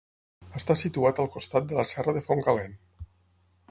Està situat al costat de la Serra de Fontcalent.